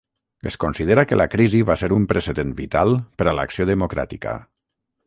Es considera que la crisi va ser un precedent vital per a l'acció democràtica.